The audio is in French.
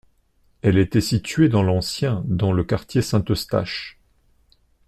Elle était située dans l'ancien dans le quartier Saint-Eustache.